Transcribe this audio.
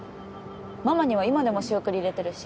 ママには今でも仕送り入れてるし。